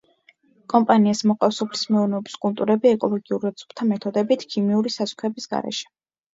კომპანიას მოჰყავს სოფლის მეურნეობის კულტურები ეკოლოგიურად სუფთა მეთოდებით, ქიმიური სასუქების გარეშე.